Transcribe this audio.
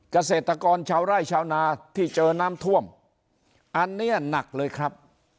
เกษตรกรชาวไร่ชาวนาที่เจอน้ำท่วมอันนี้หนักเลยครับ